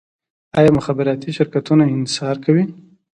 آیا مخابراتي شرکتونه انحصار کوي؟